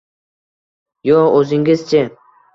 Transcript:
— Yo’q. O’zingiz-chi?